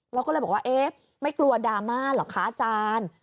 เราก็เลยบอกว่าเอ๊ะไม่กลัวดราม่าเหรอคะอาจารย์